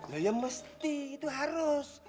lah yang mesti itu harus